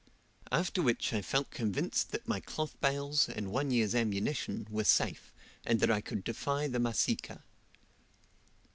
After which I felt convinced that my cloth bales, and one year's ammunition, were safe, and that I could defy the Masika.